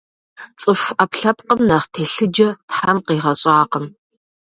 Цӏыху ӏэпкълъэпкъым нэхъ телъыджэ Тхьэм къигъэщӏакъым.